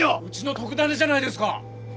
うちの特ダネじゃないですか！